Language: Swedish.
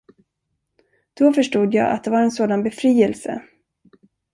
Då förstod jag att det var en sådan befrielse.